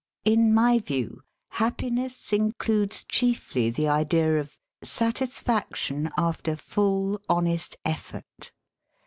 In my view happiness includes chiefly the idea of "satisfaction after full honest effort."